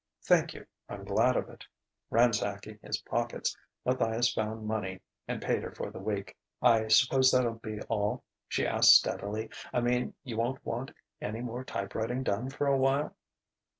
"Thank you. I'm glad to get it." Ransacking his pockets, Matthias found money, and paid her for the week. "I suppose that'll be all?" she asked steadily. "I mean, you won't want any more type writing done for a while?"